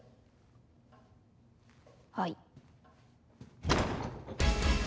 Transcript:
はい。